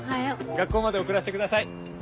学校まで送らせてください。